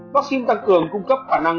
vắc xin tăng cường cung cấp khả năng